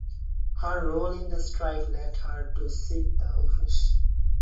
Her role in the strike led her to seek the office.